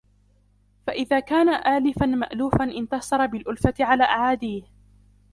فَإِذَا كَانَ آلِفًا مَأْلُوفًا انْتَصَرَ بِالْأُلْفَةِ عَلَى أَعَادِيهِ